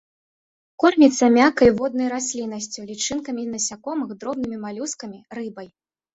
Корміцца мяккай воднай расліннасцю, лічынкамі насякомых, дробнымі малюскамі, рыбай.